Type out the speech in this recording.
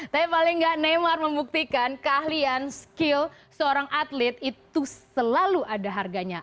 tapi paling nggak neymar membuktikan keahlian skill seorang atlet itu selalu ada harganya